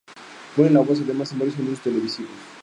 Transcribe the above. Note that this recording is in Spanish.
Pone la voz, además, en varios anuncios televisivos.